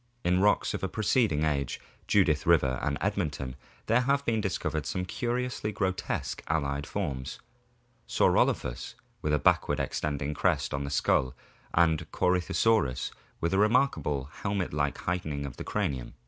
In rocks of a preceding age, Judith River and Edmonton, there have been discovered some curiously grotesque allied forms, Saurclophus wfth a backward extended crest on the skull, and Corythosaurus with a most remarkable helmet like heightening of the cranium.